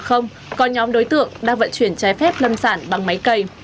có nhóm đối tượng đang vận chuyển trái phép lâm sản bằng máy cây